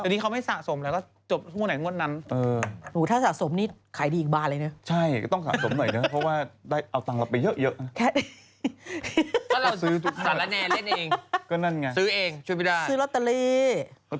ก็เราสารแนร์เล่นเองซื้อเองช่วยพิดาก็นั่นไงซื้อลอตเตอรี